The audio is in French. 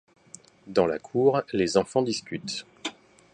Dans la cour, les enfants discutent.